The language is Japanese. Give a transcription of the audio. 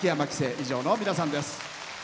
以上の皆さんです。